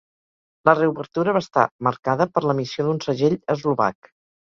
La reobertura va estar marcada per l'emissió d'un segell eslovac.